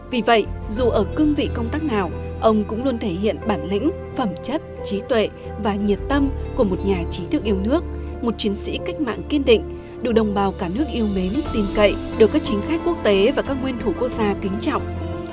vì vậy dù ở cương vị công tác nào ông cũng luôn thể hiện bản lĩnh phẩm chất trí tuệ và nhiệt tâm của một nhà trí thức yêu nước một chiến sĩ cách mạng kiên định được đồng bào cả nước yêu mến tin cậy được các chính khách quốc tế và các nguyên thủ quốc gia kính trọng